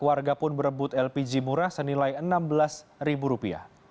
warga pun berebut lpg murah senilai rp enam belas